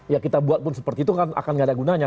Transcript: ya kita buat pun seperti itu kan akan gak ada gunanya